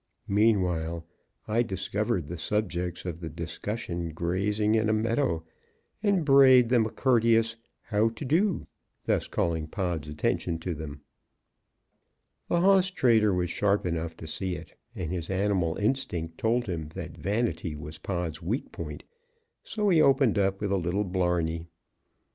Meanwhile, I discovered the subjects of the discussion grazing in a meadow, and brayed them a courteous "how to do," thus calling Pod's attention to them. The hoss trader was sharp enough to see it, and his animal instinct told him that vanity was Pod's weak point; so he opened up with a little blarney.